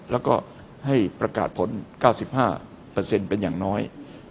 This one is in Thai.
แล้วก็ให้ประกาศผล๙๕เปอร์เซ็นต์เป็นอย่างน้อย